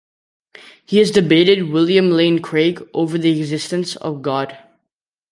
He has debated William Lane Craig over the existence of God.